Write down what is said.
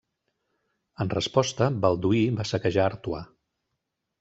En resposta, Balduí va saquejar Artois.